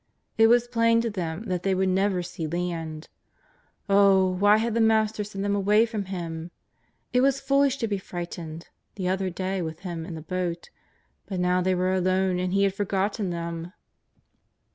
It was plain to them that thej would never see land. Oh, why had the ]\raster sent them away from Him ! It was foolish to be frightened the other day with Ilim in the boat, but now they were alone and He had forgotten them.